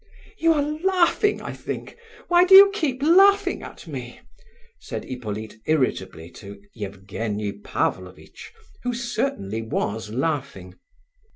"You are laughing, I think? Why do you keep laughing at me?" said Hippolyte irritably to Evgenie Pavlovitch, who certainly was laughing.